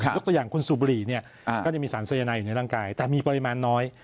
ยกตัวอย่างคุณสูบบุหรี่เนี่ยก็จะมีสารสายนายอยู่ในร่างกายแต่มีปริมาณน้อย